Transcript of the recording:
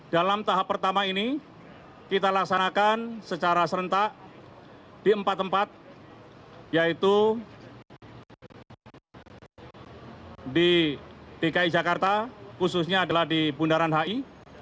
dalam tahap pertama ini kita laksanakan secara serentak di empat tempat yaitu di dki jakarta khususnya adalah di bundaran hi